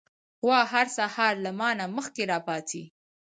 غوا هر سهار له ما نه مخکې راپاڅي.